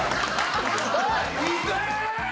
痛え！？